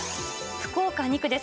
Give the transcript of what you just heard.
福岡２区です。